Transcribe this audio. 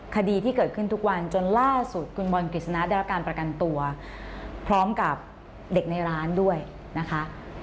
คดีที่เกิดขึ้นทุกวันจนล่าสุดคุณบอลกฤษณะได้รับการประกันตัวพร้อมกับเด็กในร้านด้วยนะคะ